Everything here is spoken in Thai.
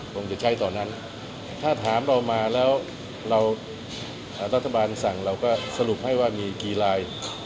คงจะใช้ตอนนั้นถ้าถามเรามาแล้วเรารัฐบาลสั่งเราก็สรุปให้ว่ามีกี่ลาย